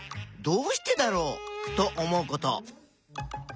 「どうしてだろう」と思うこと。